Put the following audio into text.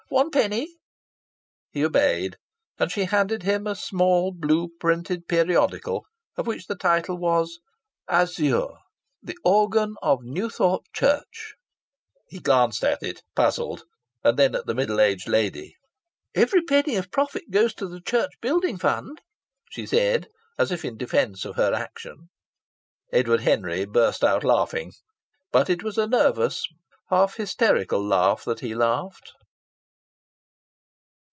"One penny." He obeyed, and she handed him a small blue printed periodical of which the title was "Azure, the Organ of the New Thought Church." He glanced at it, puzzled, and then at the middle aged lady. "Every penny of profit goes to the Church Building Fund," she said, as if in defence of her action. Edward Henry burst out laughing; but it was a nervous, half hysterical laugh that he laughed.